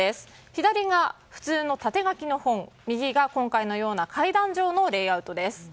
左が普通の縦書きの本右が今回のような階段状のレイアウトです。